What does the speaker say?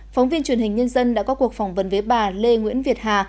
phóng viên truyền hình nhân dân đã có cuộc phỏng vấn với bà lê nguyễn việt hà